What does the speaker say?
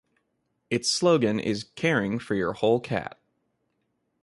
Its slogan is "Caring For Your Whole Cat".